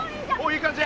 いい感じ？